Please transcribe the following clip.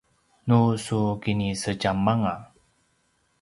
nu su kinisedjam anga